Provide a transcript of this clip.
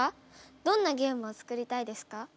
どんなゲームを作りたいですか？